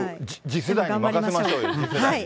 次世代に任せましょうよ。